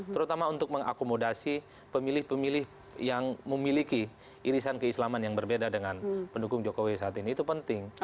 terutama untuk mengakomodasi pemilih pemilih yang memiliki irisan keislaman yang berbeda dengan pendukung jokowi saat ini itu penting